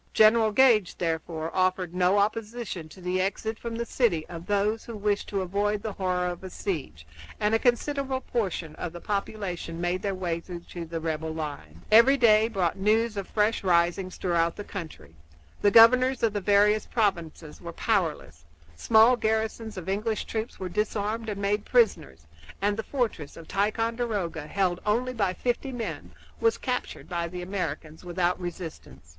General Gage, therefore, offered no opposition to the exit from the city of those who wished to avoid the horror of a siege, and a considerable portion of the population made their way through to the rebel lines. Every day brought news of fresh risings throughout the country; the governors of the various provinces were powerless; small garrisons of English troops were disarmed and made prisoners; and the fortress of Ticonderoga, held only by fifty men, was captured by the Americans without resistance.